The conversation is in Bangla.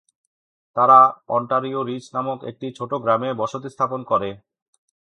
তারা অন্টারিওর রিচ নামক একটি ছোট গ্রামে বসতি স্থাপন করে।